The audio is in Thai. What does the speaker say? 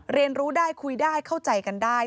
เรียนรู้ได้คุยได้เข้าใจกันได้